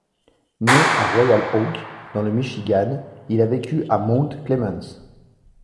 Né à Royal Oak, dans le Michigan, il a vécu à Mount Clemens.